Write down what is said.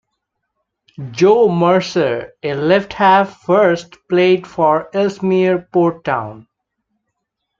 Joe Mercer, a left-half, first played for Ellesmere Port Town.